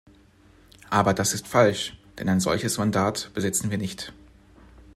Aber das ist falsch, denn ein solches Mandat besitzen wir nicht.